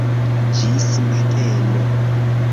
Ĝis mateno.